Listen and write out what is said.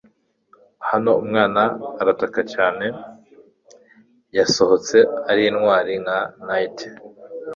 hano umwana, arataka cyane, yasohotse arintwari nka knight